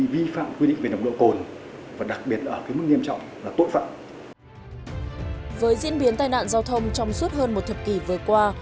với diễn biến tai nạn giao thông trong suốt hơn một thập kỷ vừa qua